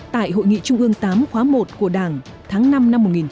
tại hội nghị trung hương tám khóa một của đảng tháng năm năm một nghìn chín trăm bốn mươi một